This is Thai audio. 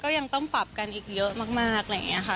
ก็ยังต้องปรับกันอีกเยอะมากแบบนี้ค่ะ